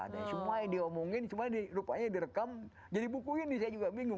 dan semuanya diomongin rupanya direkam jadi buku ini saya juga bingung